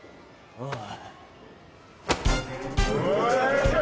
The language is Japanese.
おい！